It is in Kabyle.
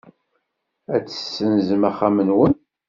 Ad tessenzem axxam-nwen.